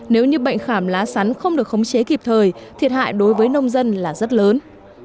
nếu như bệnh khảm lá sắn không được khống chế kịp thời thiệt hại đối với nông dân là rất lớn